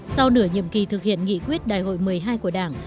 sau nửa nhiệm kỳ thực hiện nghị quyết đại hội một mươi hai của đảng